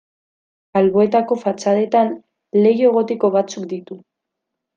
Alboetako fatxadetan leiho gotiko batzuk ditu.